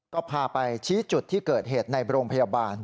ก็พาไปชี้จุดที่เกิดเหตุในโรงพยาบาล